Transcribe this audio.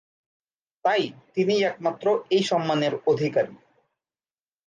তাই তিনিই একমাত্র এই সম্মানের অধিকারী।